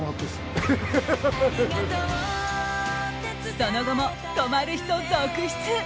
その後も止まる人続出！